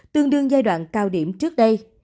tương đương giai đoạn cao điểm trước đây